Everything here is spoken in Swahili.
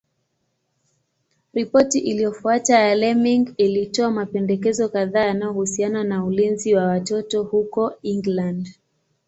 Ripoti iliyofuata ya Laming ilitoa mapendekezo kadhaa yanayohusiana na ulinzi wa watoto huko England.